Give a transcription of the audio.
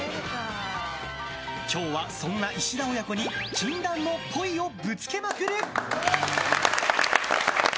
今日は、そんな石田親子に禁断のっぽいをぶつけまくる！